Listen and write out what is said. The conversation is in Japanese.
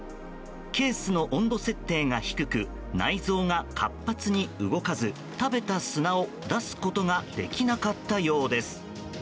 ケースの温度設定が低く内臓が活発に動かず食べた砂を出すことができなかったようです。